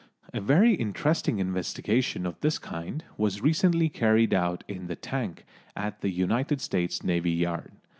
A very interesting investigation of this kind was recently carried out in the tank at the United States Navy Yard.